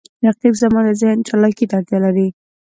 رقیب زما د ذهن چالاکي ته اړتیا لري